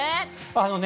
あのね